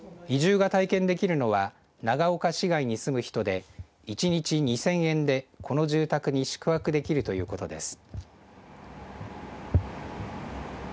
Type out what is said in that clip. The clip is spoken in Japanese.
移住が体験できるのは長岡市外に住む人で１日２０００円でこの住宅に宿泊できるということです。